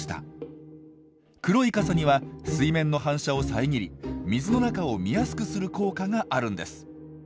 黒い傘には水面の反射をさえぎり水の中を見やすくする効果があるんです。